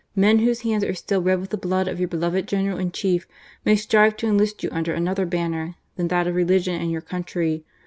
Men ...use hands are still red with the blood of your beloved General in Chief, may strive to enlist yoa under another bannt it of religion and your untry.